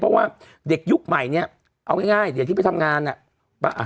เพราะว่าเด็กยุคใหม่เนี่ยเอาง่ายเด็กที่ไปทำงานอ่ะป่ะ